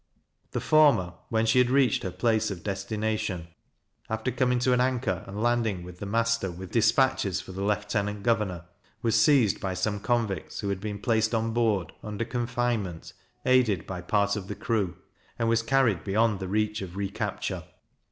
The former, when she had reached her place of destination, after coming to an anchor, and landing the master with dispatches for the Lieutenant Governor, was seized by some convicts who had been placed on board, under confinement, aided by part of the crew, and was carried beyond the reach of re capture.